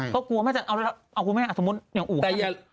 ก็กลัวแม่จะเอาคุณแม่สมมุติอย่างอื่น